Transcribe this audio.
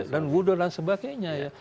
dan wudu dan sebagainya ya